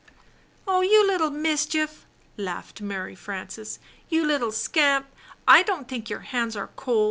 "Oh, you little mischief!" laughed Mary Frances. "You httle scamp! I don't think your hands are cold."